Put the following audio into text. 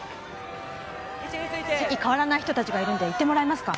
席替わらない人達がいるんで言ってもらえますか？